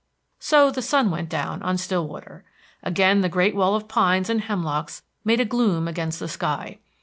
So the sun went down on Stillwater. Again the great wall of pines and hemlocks made a gloom against the sky.